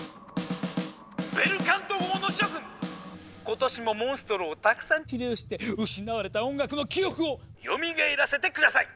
今年もモンストロをたくさん治療して失われた音楽の記憶をよみがえらせて下さい！